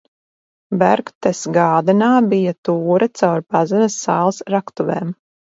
Bergtesgādenā bija tūre caur pazemes sāls raktuvēm.